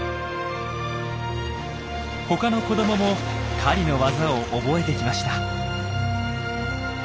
他の子どもも狩りの技を覚えてきました。